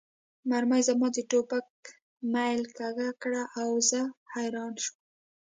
مرمۍ زما د ټوپک میل کږه کړه او زه حیران شوم